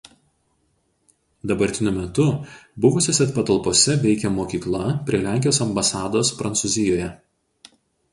Dabartiniu metu buvusiose patalpose veikia mokykla prie Lenkijos ambasados Prancūzijoje.